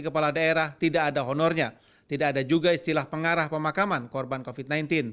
kepala daerah tidak ada honornya tidak ada juga istilah pengarah pemakaman korban covid sembilan belas